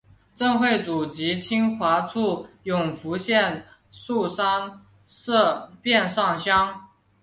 郑橞祖籍清华处永福县槊山社忭上乡。